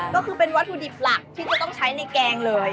ก็คือเป็นวัตถุดิบหลักที่จะต้องใช้ในแกงเลย